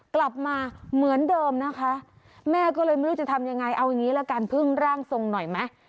กลับมาเหมือนเดิมนะคะแม่ก็เลยไม่รู้จะทำยังไงเอาอย่างนี้ละกันพึ่งร่างทรงหน่อยไหม